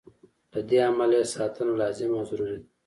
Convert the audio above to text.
له دې امله یې ساتنه لازمه او ضروري ده.